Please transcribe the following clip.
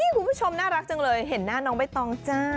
คุณผู้ชมน่ารักจังเลยเห็นหน้าน้องใบตองจ้า